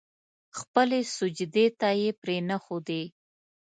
خپلې سجدې ته يې پرې نه ښودې.